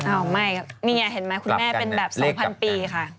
ไม่นี่ไงเห็นไหมคุณแม่เป็นแบบ๒๐๐ปีค่ะ